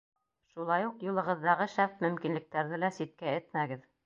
Шулай уҡ юлығыҙҙағы шәп мөмкинлектәрҙе лә ситкә этмәгеҙ.